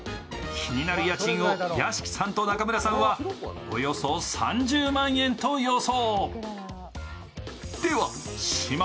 気になる家賃を屋敷さんと中村さんはおよそ３０万円と予想。